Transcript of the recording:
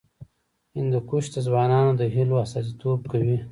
هندوکش د ځوانانو د هیلو استازیتوب کوي.